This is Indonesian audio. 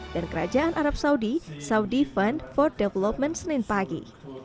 dan kerajaan arab saudi saudi fund for development senin pagi